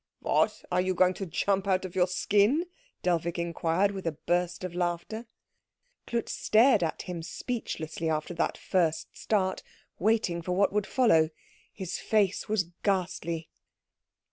"What! Are you going to jump out of your skin?" Dellwig inquired with a burst of laughter. Klutz stared at him speechlessly after that first start, waiting for what would follow. His face was ghastly.